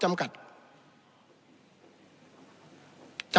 จำกัดนะครับ